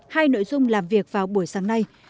hai nội dung làm việc vào buổi sáng nay